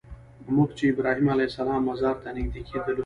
موږ چې ابراهیم علیه السلام مزار ته نږدې کېدلو.